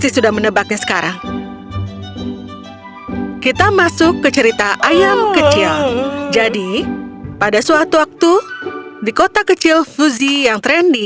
seekor ayam yang